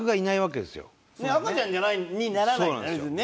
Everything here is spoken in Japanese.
赤ちゃんじゃないならないんだね